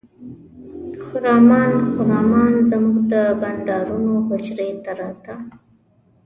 خرامان خرامان زموږ د بانډارونو حجرې ته راته.